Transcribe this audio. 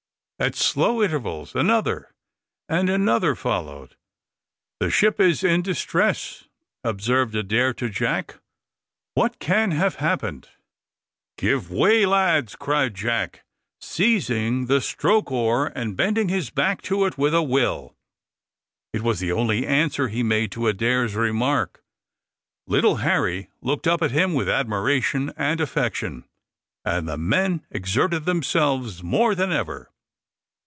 At slow intervals another and another followed. "The ship is in distress," observed Adair to Jack. "What can have happened?" "Give way, lads," cried Jack, seizing the stroke oar, and bending his back to it with a will. It was the only answer he made to Adair's remark. Little Harry looked up at him with admiration and affection, and the men exerted themselves more than ever.